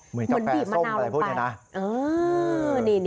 เหมือนกาแฟส้มอะไรพูดเนี่ยนะ